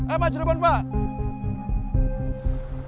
eh pak cirebon pak